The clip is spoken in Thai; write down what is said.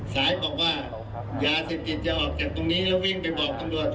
สายบอกว่ายาเศรษฐิตจะออกจากตรงนี้แล้ววิ่งไปบอกกำลักษณ์